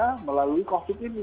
nah melalui covid ini